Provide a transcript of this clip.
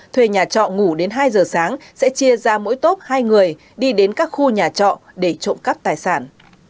thuê nhà trọ ngủ đến hai giờ sáng sẽ chia ra mỗi tốp hai người đi đến các khu nhà trọ để trộm cắp tài sản